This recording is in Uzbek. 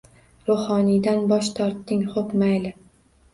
Ruhoniydan bosh tortding xo`p, mayli